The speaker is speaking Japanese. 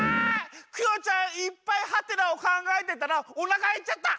クヨちゃんいっぱいはてなをかんがえてたらおなかへっちゃった！